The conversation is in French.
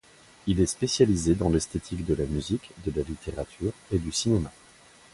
Il est spécialisé dans l'esthétique de la musique, de la littérature, et du cinéma.